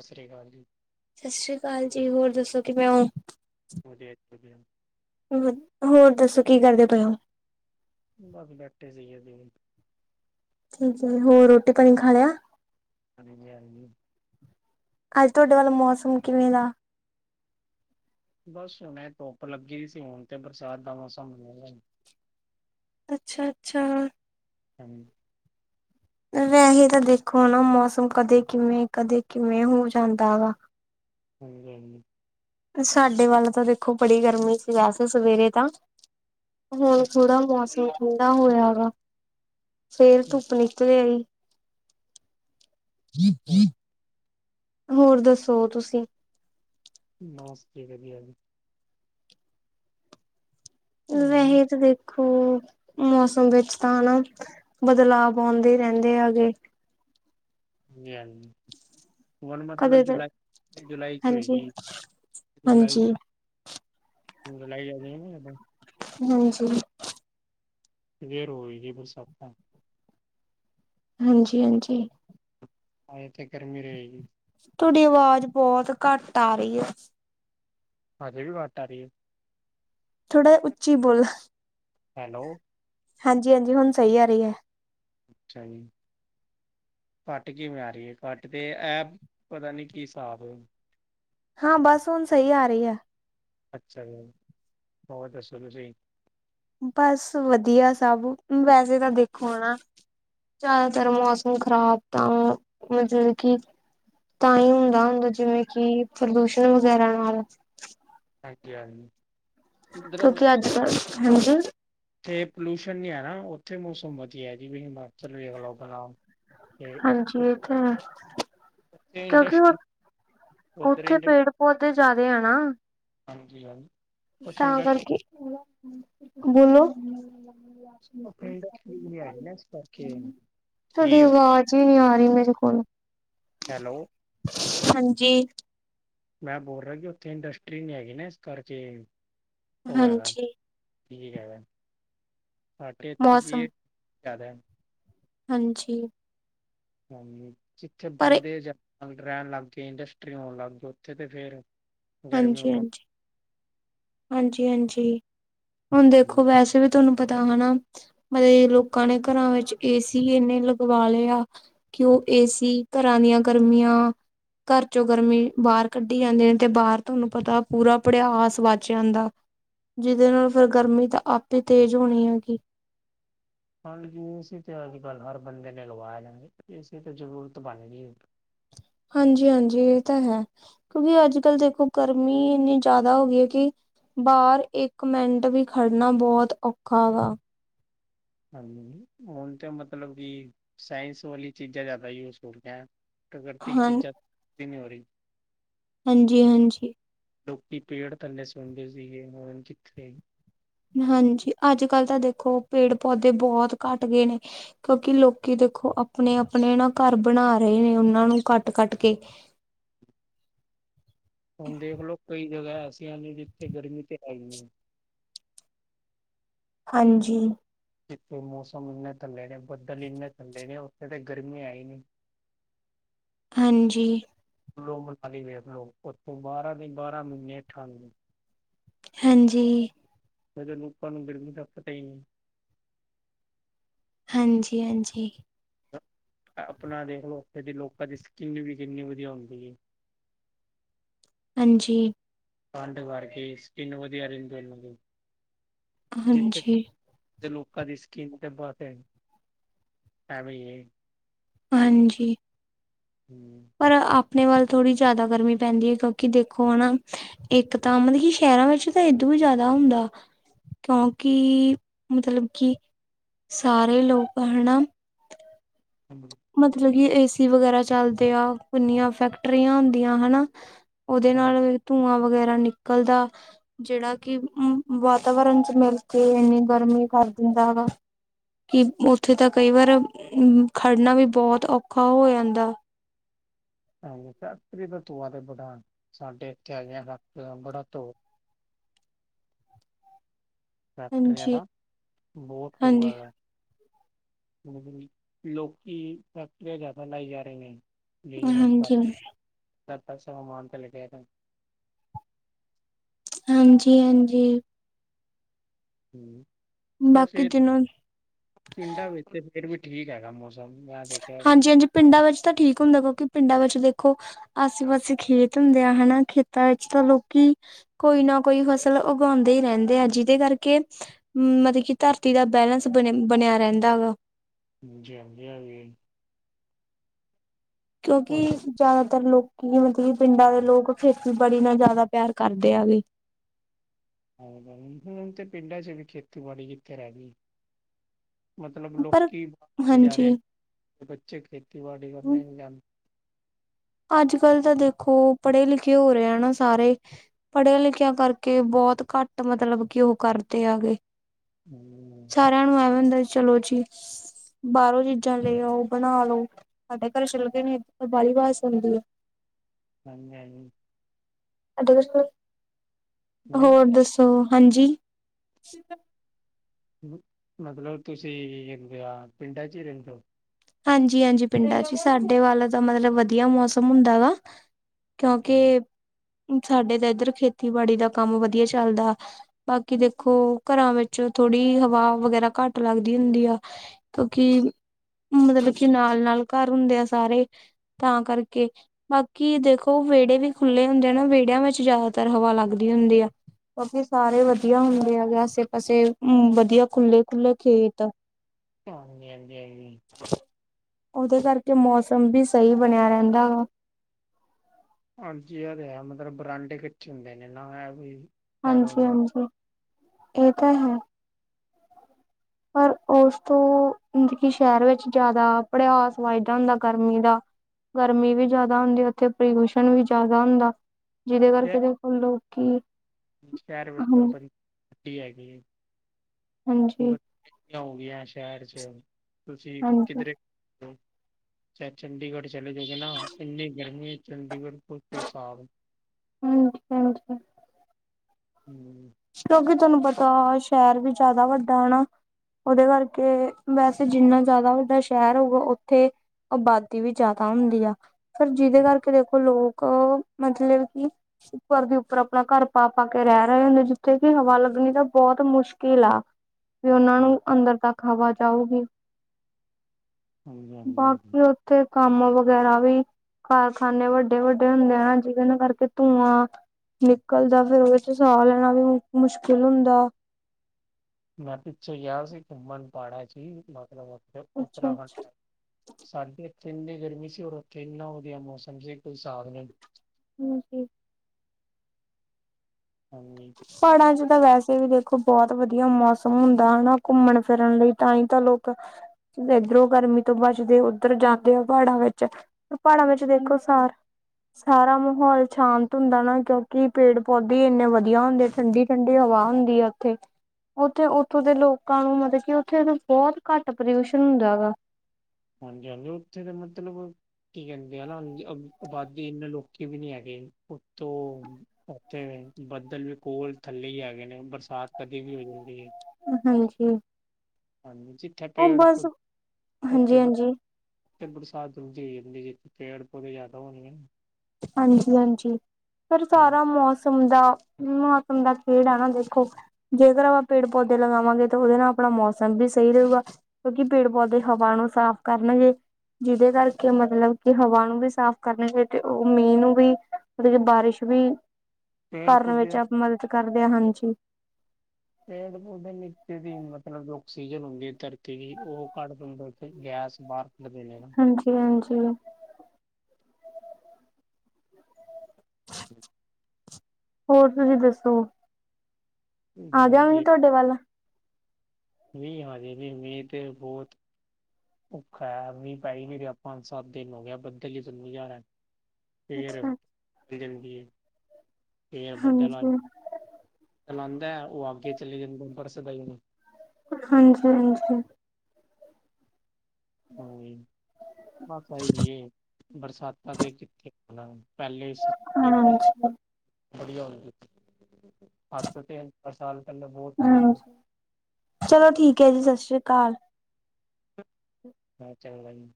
ਸਤਿ ਸ਼੍ਰੀ ਅਕਾਲ ਜੀ। ਸਤਿ ਸ੍ਰੀ ਅਕਾਲ ਜੀ, ਹੋਰ ਦੱਸੋ ਕਿਵੇਂ ਹੋ? ਵਧੀਆ ਜੀ ਵਧੀਆ। ਹੋਰ ਦੱਸੋ, ਕੀ ਕਰਦੇ ਪਏ ਹੋ? ਬਸ ਬੈਠੇ ਸੀ ਅਸੀਂ। ਠੀਕ ਹੈ ਜ, ਹੋਰ ਰੋਟੀ ਪਾਣੀ ਖਾ ਲਿਆ? ਹਾਂਜੀ ਹਾਂਜੀ। ਅੱਜ ਤੁਹਾਡੇ ਵੱਲ, ਮੌਸਮ ਕਿਵੇਂ ਦਾ? ਬਸ ਹੁਣੇ ਧੁੱਪ ਲੱਗੀ ਸੀ, ਹੁਣ ਤੇ ਬਰਸਾਤ ਦਾ ਮੌਸਮ ਹੋ ਗਿਆ। ਅੱਛਾ, ਅੱਛਾ। ਹਮ [unintelligible] ਵੈਸੇ ਤਾਂ ਦੇਖੋ ਨਾ ਮੌਸਮ ਕਦੇ ਕਿਵੇਂ, ਕਦੇ ਕਿਵੇਂ ਹੋ ਜਾਂਦਾ ਵਾ। ਹਾਂਜੀ, ਹਾਂਜੀ। ਸਾਡੇ ਵੱਲ ਤਾਂ ਦੇਖੋ, ਬੜੀ ਗਰਮੀ ਸੀ ਵੈਸੇ ਸਵੇਰੇ ਤਾਂ ਹੁਣ ਥੋੜਾ ਮੌਸਮ ਠੰਡਾ ਹੋਇਆ ਵਾ। ਫੇਰ ਅੱਛਾ, ਧੁੱਪ ਨਿਕਲੇ ਆਈ। ਹੋਰ ਦੱਸੋ ਤੁਸੀਂ? ਬਸ ਠੀਕ ਹੈ, ਵਧੀਆ ਜੀ। ਹੂੰ, ਵੈਹੇ ਤਾਂ ਦੇਖੋ ਖੋ ਮੌਸਮ ਵਿੱਚ ਤਾਂ ਹਨਾ, ਬਦਲਾਵ ਆਉਂਦੇ ਰਹਿੰਦੇ ਹੈਗੇ। [unintelligible] ਹਾਂਜੀ ਹੁਣ ਕਦੇ ਮਤਲਬ ਤਾਂ ਜੁਲਾਈ, ਜੁਲਾਈ ਚ ਹਾਂਜੀ ਹੋਏਗੀ। ਹਾਂਜੀ। ਹੁਨ ਜੁਲਾਈ ਲਗੇਗੀ ਨਾ ਜਦੋਂ। ਹਾਂਜੀ। ਲੇਟ ਹੋ ਰੀ ਜੀ ਬਰਸਾਤਾਂ। ਹਾਂਜੀ-ਹਾਂਜੀ। ਅੱਜ ਤੇ ਗਰਮੀ ਰਹੇਗੀ। ਤੁਹਾਡੀ ਆਵਾਜ਼ ਬੋਤ ਘੱਟ ਆ ਰਹੀ ਏ। ਹਜੇ ਵੀ ਵਟ ਆ ਰਹੀ ਏ। ਥੋੜਾ ਜਾ ਉੱਚੀ ਬੋਲੋ ਹੈਲੋ ਹਾਂਜੀ-ਹਾਂਜੀ ਹੁਨ ਸਈ ਆ ਰਹੀ ਏ। ਅੱਛਾ ਜੀ। ਘੱਟ ਕਿਵੇਂ ਆ ਰੀ ਐ, ਘੱਟ ਤੇ ਐ ਪਤਾ ਨੀ ਕੀ ਹਿਸਾਬ ਏ। ਹਾਂ ਬਸ ਹੁਨ ਸਈ ਆ ਰਹੀ ਐ। ਅੱਛਾ ਜੀ, ਹੋਰ ਦੱਸੋ ਤੁਸੀਂ। ਬਸ ਵਧੀਆ ਸਭ, ਵੈਸੇ ਤਾਂ ਦੇਖੋ ਹਨ ਨਾ- ਜ਼ਿਆਦਾਤਰ ਮੌਸਮ ਖ਼ਰਾਬ ਤਾਂ ਮਤਲਬ ਕਿ ਤਾਂ ਹੀ ਹੁੰਦਾ ਹੁੰਦਾ ਜਿਵੇਂ ਕਿ ਪ੍ਰਦੂਸ਼ਣ ਵਗੈਰਾ ਨਾਲ ਹਾਂਜੀ-ਹਾਂਜੀ। ਇੱਧਰ ਕਿਉਂਕਿ ਅੱਜ-ਕਲ ਹਾਂਜੀ ਜਿੱਥੇ ਪੋਲਿਊਸ਼ਨ ਨਈ ਹੈ ਨਾ ਓਥੇ ਮੌਸਮ ਵਧੀਆ ਜੀ ਜਿਵੇਂ ਹਿਮਾਚਲ ਵੇਖ ਲਓ ਅਪਨਾ। ਤੇ ਹਾਂਜੀ ਏ ਤੇ ਹੈ। ਉੱਥੇ ਕਿਉਂਕਿ ਓ, ਇੰਡਸਟਰੀ ਉੱਧਰ ਓਥੇ ਪੇੜ ਪੌਦੇ ਜ਼ਿਆਦੇ ਐ ਨਾ। ਹਾਂਜੀ, ਹਾਂਜੀ। ਤਾਂ ਕਰਕੇ ਬੋਲੋ। ਓਥੇ ਇੰਡਸਟਰੀਜ ਨਈ ਹੈਗੀ ਨਾ ਇਸ ਕਰਕੇ [unintelligible] ਜ ਨੀ ਆ ਰੀ ਮੇਰੇ ਕੋਲ। ਹੈਲੋ। ਹਾਂਜੀ। ਮੈਂ ਬੋਲ ਰਿਆ ਕਿ ਓਥੇ ਇੰਡਸਟਰੀ ਨੀ ਹੈਗੀ ਨਾ ਇਸ ਕਰਕੇ, ਓ ਹੈਗਾ। ਹਾਂਜੀ ਠੀਕ ਹੈਗਾ, ਬਾਕੀ ਏਥੇ ਕੀ ਮੌਸਮ ਹੈ [unintelligible] ਜਾਦਾ ਐ। ਹਾਂਜੀ। ਹਾਂਜੀ, ਜਿੱਥੇ ਪਰ ਬੰਦੇ ਜਾ ਰਹਿਣ ਲੱਗ ਗਏ ਇੰਡਸਟਰੀ ਹੋਣ ਲੱਗ ਗਈ ਓਥੇ ਤੇ ਫੇਰ ਗਰਮੀ ਓਟੋ ਹਾਂਜੀ-ਹਾਂਜੀ, ਹੁਨ ਦੇਖੋ ਵੈਸੇ ਵੀ ਤੁਆਨੁ ਪਤਾ ਹੋਣਾ ਨਾ, ਮਤਲਬ ਲੋਕਾਂ ਨੇ ਘਰਾਂ ਵਿੱਚ ਏਸੀ ਏਨੇ ਲਗਵਾ ਲੇ ਆ। ਕਿ ਓ ਏਸੀ ਘਰਾਂ ਦੀਆਂ ਗਰਮੀਆਂ ਘਰ ਚੋਂ ਗਰਮੀ ਬਾਰ ਕੱਢੀ ਜਾਂਦੇ ਨੇ ਤੇ ਬਾਰ ਤੁਹਾਨੂੰ ਪਤਾ ਪੂਰਾ ਪੜਿਆਸ ਵੱਧ ਜਾਂਦਾ, ਜਿਦੇ ਨਾਲ ਫਿਰ ਗਰਮੀ ਤੇ ਆਪੇ ਤੇਜ਼ ਹੋਣੀ ਹੈਗੀ। ਹਾਂਜੀ, ਏਸੀ ਤੇ ਅੱਜ-ਕੱਲ੍ਹ ਹਰ ਬੰਦੇ ਨੇ ਲਾਵਾਇਆ ਦਾ ਏਸੀ ਤੇ ਜਰੂਰਤ ਬਨ ਗਈ ਏ। ਹਾਂਜੀ-ਹਾਂਜੀ, ਏ ਤਾਂ ਹੈ ਕਿਉਂਕਿ ਅੱਜ-ਕੱਲ੍ਹ ਦੇਖੋ ਗਰਮੀ ਏਨੀ ਜਾਦਾ ਹੋ ਗੀ ਐ ਕਿ ਬਾਰ ਇੱਕ ਮਿੰਟ ਵੀ ਖੜਨਾ ਬਹੁਤ ਔਖਾ ਹਗਾ। ਹਾਂਜੀ, ਹੁਨ ਤੇ ਮਤਲਬ ਕਿ ਸਾਇੰਸ ਵਾਲੀ ਚੀਜ਼ਾਂ ਜਾਦਾ ਯੂਜ ਹੋ ਰਿਆਂ। ਪ੍ਰਕ੍ਰਤਿਕ ਹਾਂ ਚੀਜਾ ਤੇ ਨੀ ਹੋ ਰੀ। ਹਾਂਜੀ-ਹਾਂਜੀ। ਲੋਕੀ ਪੇੜ ਥੱਲੇ ਸੋਂਦੇ ਸੀਗੇ, ਹੁਣ ਕਿੱਥੇ ਹਾਂਜੀ, ਅੱਜ ਕੱਲ੍ਹ ਤਾਂ ਦੇਖੋ ਪੇੜ ਪੌਦੇ ਬੋਤ ਘੱਟ ਗਏ ਨੇ। ਕਿਉਂਕਿ ਲੋਕੀ ਦੇਖੋ, ਆਪਨੇ-ਆਪਨੇ ਨਾ ਘਰ ਬਣਾ ਰਹੇ ਨੇ ਓਹਨਾਂ ਨੂੰ ਕੱਟ-ਕੱਟ ਕੇ। ਹੁਣ ਦੇਖਲੋ ਕਈ ਜਗ੍ਹਾ ਐਸੀਆਂ ਨੇ ਜਿੱਥੇ ਗਰਮੀ ਤੇ ਹੈ ਹੀ ਨੀ। ਹਾਂਜੀ। ਜਿੱਥੇ ਮੌਸਮ ਇੰਨੇ ਧੱਲੇ ਨੇ ਬੱਦਲ ਇੰਨੇ ਧੱਲੇ ਨੇ ਉੱਥੇ ਤਾਂ ਗਰਮੀ ਹੈ ਹੀ ਨੀਂ ਹਾਂਜੀ। ਲੋ ਮਨਾਲੀ ਵੇਖ ਲਓ, ਓੱਥੇ ਬਾਰਾਂ ਦੀ ਬਾਰਾਂ ਮੀੱਨੇਂ ਠੰਡ ਹਾਂਜੀ। ਮ ਲੋਕਾਂ ਨੂੰ ਬਿਲਕੁਲ ਸਖਤ ਹੈ ਇ ਨਿ। ਹਾਂਜੀ-ਹਾਂਜੀ। ਆਪਣਾ ਦੇਖ ਲਓ, ਏਦੀ ਦੀ ਲੋਕਾਂ ਦੀ ਸਕਿੰਨ ਵੀ ਕਿੰਨੀ ਵਧੀਆ ਹੁੰਦੀ ਏ। ਹਾਂਜੀ। ਭੰਡ ਵਰ ਕੇ ਸਕਿੱਨ ਵਧੀਆ ਰਹਿੰਦੀ ਓਨਾਦਿ, ਜਿੱਥੇ ਹਾਂਜੀ ਤੇ ਲੋਕਾਂ ਦੀ ਸਕਿਨ ਤੇ ਬੋਤੇ, ਐਵੇਂ ਇਂ ਏ। ਹਾਂਜੀ। ਹੰ, ਪਰ ਆਪਣੇ ਵੱਲ ਥੋੜ੍ਹੀ ਜਾਦਾ ਗਰਮੀ ਪੈਂਦੀ ਏ, ਕਿਉਂਕਿ ਦੇਖੋ ਹੋਣ ਇੱਕ ਤਾਂ ਮਤਲਬ, ਹਿ ਸ਼ਹਿਰਾਂ ਵਿੱਚ ਤਾਂ ਏਦੋਂ ਹੀ ਜਾਦਾ ਹੁੰਦਾ। ਕਿਉਂਕਿ ਮਤਲਬ ਕਿ, ਸਾਰੇ ਲੋਕ ਹਣਾ ਹਾਂਜੀ। ਮਤਲਬ ਕਿ ਏਸੀ ਵਗੈਰਾ ਚਲਦੇ ਆ, ਕਿਨੀਆਂ ਫੈਕਟਰੀਆਂ ਹੁੰਦੀਆਂ ਹਨਾ? ਓਹਦੇ ਨਾਲ, ਧੂੰਆਂ ਵਗੈਰਾ ਨਿੱਕਲਦਾ ਜੇੜਾ ਕਿ, ਵਾਤਾਵਰਨ 'ਚ ਮਿਲ ਕੇ ਇੰਨੀ ਗਰਮੀ ਕਰ ਦਿੰਦਾ ਹੈਗਾ। ਕਿ, ਓਥੇ ਤਾਂ ਕਈ ਵਾਰ, ਖੜਨਾ ਵੀ ਬੋਤ ਔਖਾ ਹੋ ਜਾਂਦਾ। ਹਾਂਜੀ, ਫੈਕਟਰੀ ਦਾ ਧੂੰਆਂ ਤੇ ਬੜਾ, ਸਾਡੇ ਇੱਥੇ ਹੈਗੀਆਂ ਫੈਕਟਰੀਆਂ ਬੜਾ ਧੂੰ ਫੈਕਟਰੀਆਂ ਹਾਂਜੀ ਦਾ ਬੋਤ ਧੂੰਆ ਹਾਂਜੀ ਹੈਗਾ। ਹੁਣ ਲੋਕ ਕੀ, ਫੈਕਟਰੀਆਂ ਜਾਦਾ ਲਾਈ ਜਾ ਰੇ ਨੇਂ। ਜੀ ਜੀ ਨਦ ਤਕ ਹਾਂਜੀ ਨਦ ਤੱਕ ਸ ਮਮਾਨ ਕੇ ਲੈ ਕੇ ਆਏ [unintelligible] ਹਾਂਜੀ-ਹਾਂਜੀ। ਹਮ ਪਰ, ਬਾਕੀ ਫੇਰ ਦਿਨੋਂ ਪਿੰਡਾਂ ਵਿੱਚ ਤਾਂ ਫੇਰ ਵੀ ਠੀਕ ਹੈਗਾ ਮੌਸਮ। ਮੈਂ ਦੇਖੇਆ ਸੀ। ਹਾਂਜੀ-ਹਾਂਜੀ ਪਿੰਡਾਂ ਵਿੱਚ ਤਾਂ ਠੀਕ ਹੁੰਦਾ, ਕਿਉਂਕਿ ਪਿੰਡਾਂ ਵਿੱਚ ਦੇਖੋ ਆਸੇ-ਪਾਸੇ ਖੇਤ ਹੁੰਦੇ ਆ, ਹਨਾ ਖੇਤਾਂ ਵਿੱਚ ਤਾਂ ਲੋਕੀ ਕੋਈ ਨਾ ਕੋਈ ਫਸਲ ਉਗਾਉਂਦੇ ਹੀ ਰੈਂਦੇ ਆ, ਜਿਦੇ ਕਰਕੇ ਮਤਲਬ ਕਿ, ਧਰਤੀ ਦਾ ਬੈਲੈਂਸ ਬਣੇ ਬਣਿਆ ਰੈਂਦਾ ਵਾ। ਹਾਂਜੀ ਹਾਂਜੀ। ਵੀ ਕਿਉਂਕਿ ਕੁਛ ਜ਼ਿਆਦਾਤਰ ਲੋਕੀ - ਮਤਲਬ ਕਿ, ਪਿੰਡਾਂ ਦੇ ਲੋਕ- ਖੇਤੀਬਾੜੀ ਨਾਲ ਜਾਦਾ ਪਿਆਰ ਕਰਦੇ ਆਗੇ। ਆਹ ਹੁਣ ਤੇ ਪਿੰਡਾਂ 'ਚ ਵੀ ਖੇਤੀਬਾੜੀ ਕਿੱਥੇ ਰੈ ਗਈ। ਮਤਲਬ ਪਰ ਲੋਕੀ ਬ ਬਾਰ ਜਾ [inaudible] ਰਹੇ ਹਾਂਜੀ ਨੇ ਬੱਚੇ ਖੇਤੀਬਾੜੀ ਕਰਨੇ ਜਾਂਦੇ। ਅੱਜ-ਕੱਲ੍ਹ ਤਾਂ ਦੇਖੋ, ਪੜ੍ਹੇ-ਲਿਖੇ ਹੋ ਰੇ ਹੈ ਨਾ ਸਾਰੇ। ਪੜ੍ਹਿਆ-ਲਿਖਿਆ ਕਰਕੇ ਬੋਤ ਘੱਟ, ਮਤਲਬ ਕਿ ਉਹ ਕਰਦੇ ਹੈਗੇ। ਹਮ। ਸਾਰਿਆਂ ਨੂੰ ਐਵੇ ਹੁੰਦਾ, ਚਲੋ ਜੀ ਬਾਹਰੋਂ ਚੀਜ਼ਾਂ ਲੈ ਆਓ ਬਣਾ ਲੋ, ਸਾਡੇ ਘਰ ਸ਼ੁਰੂ ਤੋਂ ਹੀ ਬਾਹਲੀ ਵਾਜ ਸੁਣਦੀ ਐ। ਹਾਂਜੀ-ਹਾਂਜੀ। [unintelligible] ਹੋਰ ਦੱਸੋ? ਹਾਂਜੀ। ਮਤਲਬ, ਤੁਸੀਂ ਅ ਪਿੰਡਾਂ 'ਚ ਹੀ ਰਹਿੰਦੇ ਔ? ਹਾਂਜੀ-ਹਾਂਜੀ ਪਿੰਡਾਂ 'ਚ ਹੀ, ਸਾਡੇ ਵਾਲ ਤਾਂ ਮਤਲਬ ਵਧੀਆ ਮੌਸਮ ਹੁੰਦਾ ਵਾ। ਹਾਂ, ਕਿਉਂਕਿ, ਸਾਡੇ ਤਾਂ ਇੱਧਰ ਖੇਤੀਬੜੀ ਦਾ ਕੰਮ ਵਧੀਆ ਚੱਲਦਾ। ਬਾਕੀ ਦੇਖੋ, ਘਰਾਂ ਵਿੱਚ ਥੋੜੀ ਹਵਾ ਵਗੈਰਾ ਘੱਟ ਲੱਗਦੀ ਹੁੰਦੀ ਆ। ਕਿਉਕਿ ਮਤਲਬ ਕਿ ਨਾਲ-ਨਾਲ ਘਰ ਹੁੰਦੇ ਆ ਸਾਰੇ, ਤਾਂ ਕਰਕੇ। ਬਾਕੀ ਦੇਖੋ, ਵਿਹੜੇ ਵੀ ਖੁੱਲ੍ਹੇ ਹੁੰਦੇ ਆ ਨਾ ਵਿਹੜਿਆਂ ਵਿੱਚ ਜ਼ਿਆਦਾਤਰ ਹਵਾ ਲੱਗਦੀ ਹੁੰਦੀ ਆ। ਬਾਕੀ ਸਾਰੇ ਵਧੀਆ ਹੁੰਦੇ ਹੈਗੇ, ਆਸੇ-ਪਾਸੇ ਵਧੀਆ ਖੁੱਲ੍ਹੇ -ਖੁੱਲ੍ਹੇ ਖੇਤ। ਹਾਂਜੀ-ਹਾਂਜੀ-ਹਾਂਜੀ। ਉਹਦੇ ਕਰਕੇ ਮੌਸਮ ਵੀ ਸਹੀ ਬਣਿਆ ਰਹਿੰਦਾ ਗਾ। ਹਾਂਜੀ ਇਹ ਤੇ ਹੈ, ਮਤਲਬ ਬਰਾਂਡੇ ਕੱਚੇ ਹੁੰਦੇ ਨੇ ਨਾ ਇਹ ਵੀ ਫਾਇਦਾ ਹੁੰਦਾ ਹਾਂਜੀ-ਹਾਂਜੀ, ਇਹ ਤਾਂ ਹੈ। ਪਰ ਉਸ ਤੋਂ, ਜਦ ਕਿ ਸ਼ਹਿਰ ਵਿੱਚ ਜ਼ਿਆਦਾ ਪੜਿਆਸ ਵਜਦਾ ਹੁੰਦਾ ਗਰਮੀ ਦਾ। ਗਰਮੀ ਵੀ ਜ਼ਿਆਦਾ ਹੁੰਦੀ, ਉੱਥੇ ਪ੍ਰਲਿਉਸ਼ਣ ਵੀ ਜ਼ਿਆਦਾ ਹੁੰਦਾ। ਜਿਹਦੇ ਤੇ ਕਰਕੇ ਦੇਖੋ ਲੋਕੀ ਸ਼ਹਿਰ ਵਿੱਚ ਤਾਂ, ਹਾਂਜੀ ਬੜੀ ਗਰਮੀ ਹੈਗੀ ਐ। ਹਾਂਜੀ [unintelligible] ਹੋ ਗਈਆਂ ਸ਼ਹਿਰ 'ਚ ਤੁਸੀਂ ਹਾਂਜੀ ਕਿਧਰੇ [inaudible] ਚੇ ਚੰਡੀਗੜ੍ਹ ਚਲੇ ਜੋਗੇ ਨਾ, ਇੰਨੀ ਗਰਮੀ ਚੰਡੀਗੜ੍ਹ ਕੋਈ ਸਾਬ ਹਾਂਜੀ-ਹਾਂਜੀ। ਹੂੰ, ਕਿਉਂਕਿ ਤੁਹਾਨੂੰ ਪਤਾ, ਸ਼ਹਿਰ ਵੀ ਜ਼ਿਆਦਾ ਵੱਡਾ ਹਨਾ। ਉਹਦੇ ਕਰਕੇ, ਵੈਸੇ ਜਿੰਨਾ ਜ਼ਿਆਦਾ ਵੱਡਾ ਸ਼ਹਿਰ ਹੋਊਗਾ ਉੱਥੇ ਆਬਾਦੀ ਵੀ ਜ਼ਿਆਦਾ ਹੁੰਦੀ ਆ, ਫਿਰ ਜਿਹਦੇ ਕਰਕੇ ਦੇਖੋ ਲੋਕ ਉਹ ਮਤਲਬ ਕਿ, ਉੱਪਰ ਦੀ ਉੱਪਰ ਆਪਣਾ ਘਰ ਪਾ-ਪਾ ਕੇ ਰਹਿ ਰਹਿ ਹੁੰਦੇ ਜ ਕਿਉਕਿ ਹਵਾ ਲੱਗਣੀ ਤਾਂ ਬਹੁਤ ਮੁਸ਼ਕਿਲ ਆ, ਵੀ ਉਹਨਾਂ ਹਾਂਜੀ ਨੂੰ ਅੰਦਰ ਤੱਕ ਹਵਾ ਜਾਊਗੀ, ਹਾਂਜੀ ਹਾਂਜੀ ਬਾਕੀ ਫੇਰ ਕੰਮ ਵਗੈਰਾ ਵੀ ਕਾਰਖਾਨੇ ਵੱਡੇ-ਵੱਡੇ ਹੁੰਦੇ ਹਨ, ਜਿਹਨਾਂ ਕਰਕੇ ਧੂੰਆਂ ਨਿਕਲਦਾ ਫੇਰ ਉਹਦੇ 'ਚ ਸਾਹ ਲੈਣਾ ਵੀ ਮੁਸ਼ਕਿਲ ਹੁੰਦਾ। ਮੈਂ ਪਿੱਛੇ ਗਿਆ ਸੀ ਘੁੰਮਣ ਪਾੜਾ 'ਚ ਹੀ, ਮਤਲਬ ਅੱਛਾ ਉੱਤਰਾਖੰਡ ਸਾਡੇ ਏਥੇ ਇੰਨੀ ਗਰਮੀ ਸੀ, ਉੱਥੇ ਇਹਨਾ ਵਧੀਆ ਮੌਸਮ ਸੀ ਕੋਈ ਸਾਬ ਨੀ। ਹੂੰ-ਹੂੰ, ਹਾਂਜੀ। ਪਾੜਾਂ ਚ ਤਾਂ ਵੈਸੇ ਵੀ ਦੇਖੋ ਬੌਤ ਵਧੀਆ ਮੌਸਮ ਹੁੰਦਾ ਹਨਾ ਘੁੰਮਣ ਫਿਰਨ ਲਈ ਤਾਂ ਈ ਤਾਂ ਲੋਕ ਏਧਰੋਂ ਗਰਮੀ ਤੋਂ ਬਚਦੇ ਓਧਰ ਜਾਂਦੇ ਔ ਪਾੜਾਂ ਵਿੱਚ। ਅ ਪਾੜਾਂ ਵਿੱਚ ਦੇਖੋ ਸਾਰ ਸਾਰਾ ਮਾਹੌਲ ਛਾਂਤ ਹੁੰਦਾ ਨਾ ਕਿਉਂਕਿ ਪੇੜ-ਪੌਦੇ ਏਨੇ ਵਧ ਦੀਆ ਹੁੰਦੇ ਠੰਡੀ-ਠੰਡੀ ਹਵਾ ਹੁੰਦੀ ਆ ਓਥੇ। ਓਥੇ ਓਥੋਂ ਦੇ ਲੋਕਾਂ ਨੂੰ ਮਤਲਬ ਕਿ ਓਥੇ ਤੇ ਬੌਤ ਘੱਟ ਪਲਿਉਸਨ ਹੁੰਦਾ ਹੈ ਗਾ। ਹਾਂਜੀ-ਹਾਂਜੀ, ਉੱਥੇ ਤੇ ਮਤਲਬ ਕੀ ਕੈੰਦੇ ਐ ਨਾ ਉਝ ਅ ਅਬਾਦੀ ਇਨੇ ਲੋਕੀ ਵੀ ਨੀ ਹੈਗੇ, ਉਤੋਂ ਓਥੇ, ਬੱਦਲ ਵੀ ਕੋਲ ਥੱਲੇ ਈ ਹੈਗੇ ਨੇ, ਬਰਸਾਤ ਕਦੇ ਵੀ ਹੋ ਜਾਂਦੀ ਏ, ਅ ਹਾਂਜੀ। ਹਾਂਜੀ, ਜਿੱਥੇ ਉਹ ਪੇੜ ਬਸ ਪੋ ਓਥੇ ਹਾਂਜੀ ਬ ਹਾਂਜੀ ਫੇਰ ਬਰਸਾਤ ਰੂੰਦੀ ਰੈੰਦੀ ਏ ਜਿੱਥੇ ਪੇੜ-ਪੌਦੇ ਜਿਆਦਾ ਹੋਣਗੇ ਨਾ। ਹਾਂਜੀ-ਹਾਂਜੀ, ਪਰ ਸਾਰਾ ਮੌਸ ਸਮ ਦਾ ਮੌਸਮ ਦਾ ਖੇੜ ਆ ਨਾ ਦੇਖੋ। ਜੇਕਰ ਆਪਾਂ ਪੇੜ-ਪੌਦੇ ਲਗਾਵਾਂਗੇ ਤਾਂ, ਓਦੇ ਨਾਲ ਅਪਣਾ ਮੌਸਮ ਬੀ ਸਹੀ ਰਹੂਗਾ। ਕਿਓਂਕਿ ਪੇੜ-ਪੌਦੇ ਹਵਾ ਨੂੰ ਸਾਫ਼ ਕਰਨਗੇ। ਜਿਦੇ ਕਰਕੇ ਮਤਲਬ ਕਿ ਹਵਾ ਨੂੰ ਵੀ ਸਾਫ਼ ਕਰਨਗੇ, ਤੇ ਓਹ ਮੀਂਹ ਨੂੰ ਵੀ, ਥੋੜਾ ਜੀ ਬਾਰਿਸ਼ ਵੀ, ਪੇੜ ਕਰਨ ਵਿੱਚ ਪੌਦੇ ਅ ਮਦਦ ਕਰਦੇ ਹਨ ਜੀ। ਪੇੜ ਪੌੇਦੇ ਮਿੱਟੀ ਦੀ ਮਤਲਬ ਜੋ ਔਕਸੀਜਨ ਹੁੰਦੀ ਏ ਧਰਤੀ ਦੀ, ਓਹ ਕੱਢ ਦਿੰਦੇ ਓਥੇ ਗੈਸ ਬਾਰ। ਲੱਭੇਲੈਗਮ ਹਾਂਜੀ, ਹਾਂਜੀ। [inaudible] ਹੋਰ ਤੁਸੀਂ ਦੱਸੋ, ਆ ਜਾ ਮੈ ਹਾਂਜੀ ਤੁਆਡੇ ਵੱਲ। ਨੀ ਹਜੀ ਨੀ, ਮੀ ਤੇ ਬੋਤ ਔਖਾ ਵੀ ਬਾਈ ਜਿਹੜਾ ਪੰਜ-ਸੱਤ ਦਿਨ ਹੋ ਗਏ ਬੱਦਲ ਹੀ ਚਲੀ ਜਾਣਾ, ਫੇਰ ਅੱਛਾ ਪਿਘਲ ਗੀ ਏ, ਫੇਰ ਬੱਦਲ ਆ ਗਏ, ਹਾਂਜੀ ਬੱਦਲ ਆਂਦਾ ਓਹ ਅੱਗਗੇ ਚੱਲੇ ਜਾਂਦ ਬਰਸਦਾ ਈ ਨੀ, ਕੋਈ ਖਾਸ ਗੱਲ ਨਹੀ ਜੇ, ਹੋਰ ਬਸ ਆਹੀ ਜੀ ਏ। ਬਰਸਾਤਾਂ ਦੇ ਕਿੱਥੇ [unintelligible] ਪੈਲੇ ਈ ਹਾਂਜੀ [unintelligible] ਬੜੀ ਆਉਂਦੀ ਸਾਤੋ ਤੇ ਏਨ ਬਰਸਾਤ ਪੈਲਾਂ ਬੋਤ ਮੀਂਹ, ਹਾਂਜੀ ਚਲੋ ਠੀਕ ਹੈ ਜੀ, ਸਤ ਸ਼੍ਰੀ ਕਾਲ। ਹੈ ਚੰਗਾ ਜੀ।